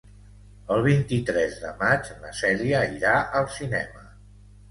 El vint-i-tres de maig na Cèlia irà al cinema.